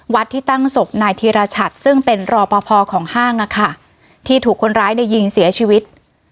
ที่ตั้งศพนายธีรชัดซึ่งเป็นรอปภของห้างที่ถูกคนร้ายในยิงเสียชีวิต